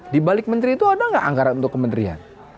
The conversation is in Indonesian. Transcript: di balik menteri itu ada nggak anggaran untuk kementerian